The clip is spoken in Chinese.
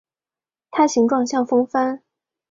它形状像风帆。